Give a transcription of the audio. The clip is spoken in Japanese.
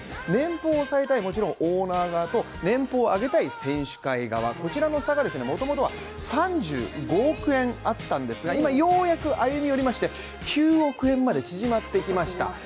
年俸を抑えたいオーナー側と、年俸を上げたい選手会側、こちらの差が、もともとは３５億円あったんですが、今、ようやく歩み寄りまして９億円まで縮まってきました。